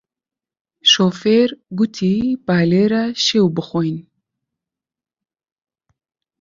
شۆفێر گوتی با لێرە شێو بخۆین